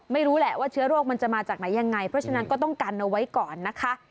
ไม่รู้แหละว่าเชื้อโรคมันจะมาจากไหนยังไงเพราะฉะนั้นก็ต้องกันเอาไว้ก่อนนะคะ